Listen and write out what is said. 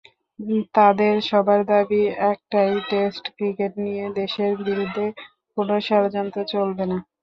তাঁদের সবার দাবি একটাই—টেস্ট ক্রিকেট নিয়ে দেশের বিরুদ্ধে কোনো ষড়যন্ত্র চলবে না।